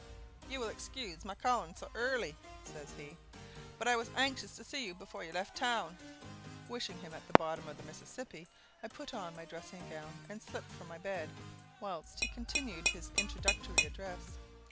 "You will excuse my calling so early," says he, "but I was anxious to see you before you left the town." Wishing him at the bottom of the Mississippi, I put on my dressing gown, and slipped from my bed, whilst he continued his introductory address.